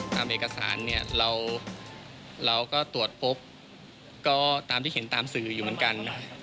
ตามเอกสารเนี่ยเราก็ตรวจพบก็ตามที่เห็นตามสื่ออยู่เหมือนกัน